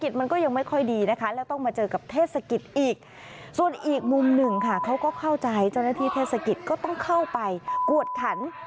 เจ้าหน้าที่เทศกิจก็ต้องเข้าไปกวดขัน